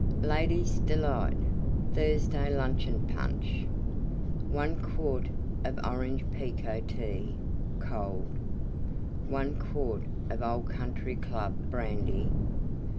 LADIES' DELIGHT Thursday Luncheon Punch 1 quart of Orange Pekoe Tea (cold). 1 quart of Old Country Club Brandy.